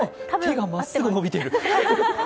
手がまっすぐ伸びている。